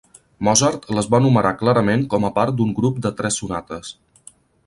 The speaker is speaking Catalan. Mozart les va numerar clarament com a part d'un grup de tres sonates.